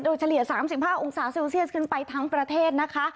โดยเฉลี่ย๓๕องศาเซลเซียสขึ้นไปทั้งประเทศนะคะ